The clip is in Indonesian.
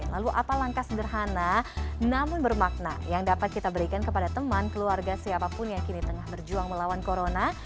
lalu apa langkah sederhana namun bermakna yang dapat kita berikan kepada teman keluarga siapapun yang kini tengah berjuang melawan corona